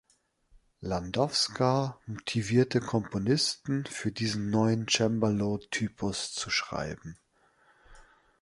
Landowska motivierte Komponisten, für diesen neuen Cembalo-Typus zu schreiben.